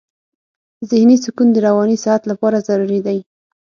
ذهني سکون د رواني صحت لپاره ضروري دی.